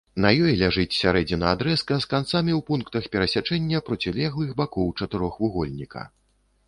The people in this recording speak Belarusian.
На ёй жа ляжыць сярэдзіна адрэзка з канцамі ў пунктах перасячэння процілеглых бакоў чатырохвугольніка.